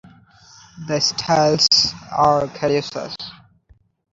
The styles are caducous.